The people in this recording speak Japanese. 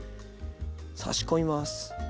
さし込みます。